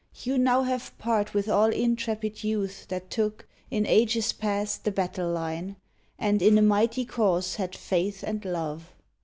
You now have part with all intrepid youth That took, in ages past, the battle line, And in a mighty Cause had faith and love.